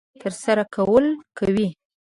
ترسره کول کوي.